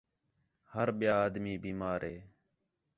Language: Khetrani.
ہر ٻِیا آدمی بیمار ہِے